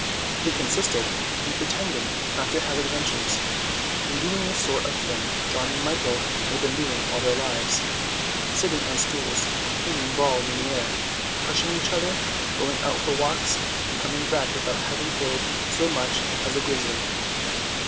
It consisted in pretending not to have adventures, in doing the sort of thing John and Michael had been doing all their lives, sitting on stools flinging balls in the air, pushing each other, going out for walks and coming back without having killed so much as a grizzly.